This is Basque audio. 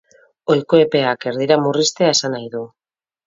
Ohiko epeak erdira murriztea esan nahi du.